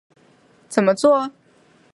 怎么作？